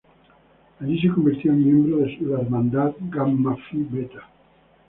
Allí se convirtió en miembro de la hermandad Gamma Phi Beta.